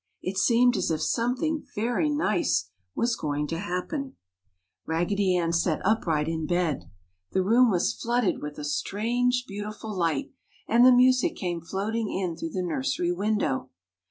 It seemed as if something very nice was going to happen. Raggedy Ann sat upright in bed. The room was flooded with a strange, beautiful light and the music came floating in through the nursery window.